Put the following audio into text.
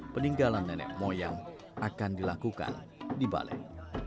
peninggalan nenek moyang akan dilakukan di balik